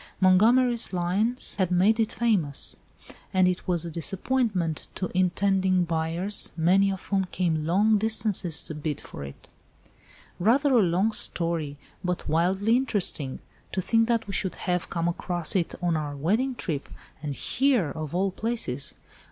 Montgomery's lines had made it famous. And it was a disappointment to intending buyers, many of whom came long distances to bid for it." "Rather a long story, but wildly interesting. To think that we should have come across it on our wedding trip, and here of all places.